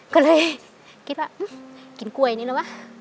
ก็เลยคิดว่ากินกล้วยนี้แล้ววะ